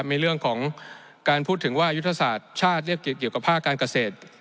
ในเรื่องของการพูดถึงว่ายุทธศาสตร์ชาติเรียกเกี่ยวกับภาคการเกษตร